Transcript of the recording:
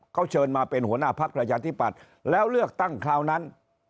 เขาเชิญมาเป็นหัวหน้าพักประชาธิปัตย์แล้วเลือกตั้งคราวนั้น